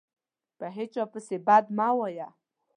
په هیچا پسي بد مه وایه